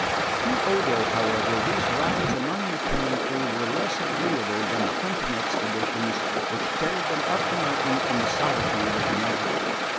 To Odo, however, these rides among the tenantry were less agreeable than the hunting expeditions which carried them up the mountain in the solitude of morning.